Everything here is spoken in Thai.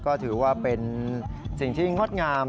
ก็ถือว่าเป็นสิ่งที่งดงาม